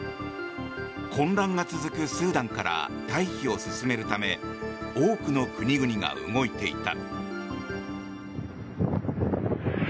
混乱が続くスーダンから退避を進めるため多くの国々が動いていた。